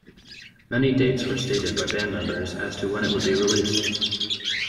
Many dates were stated by band members as to when it would be released.